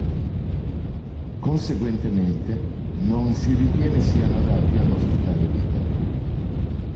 Conseguentemente, non si ritiene siano adatti ad ospitare vita.